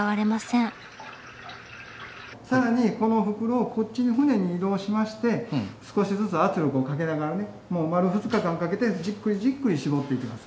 更にこの袋をこっちの槽に移動しまして少しずつ圧力をかけながらね丸２日間かけてじっくりじっくりしぼっていきます。